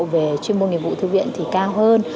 về chuyên môn nghiệp vụ thư viện cao hơn